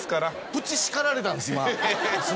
プチ叱られたんです